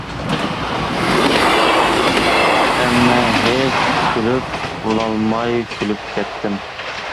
ئەممە ھېچ كۈلۈپ بولالماي كۈلۈپ كەتتىم!